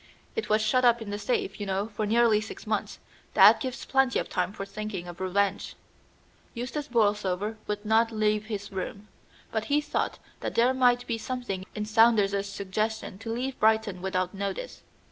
It was shut up in the safe, you know, for nearly six months. That gives plenty of time for thinking of revenge." Eustace Borlsover would not leave his room, but he thought that there might be something in Saunders's suggestion to leave Brighton without notice.